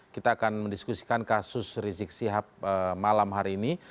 kita akan mendiskusikan kasus rizik sihab malam hari ini